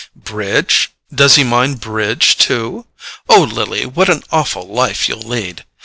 "Bridge? Does he mind bridge, too? Oh, Lily, what an awful life you'll lead!